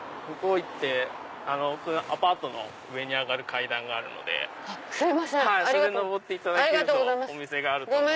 向こう行ってアパートの上に上がる階段があるのでそれ上っていただけると。